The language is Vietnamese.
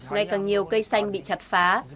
ngày càng nhiều cây xanh bị chặt phá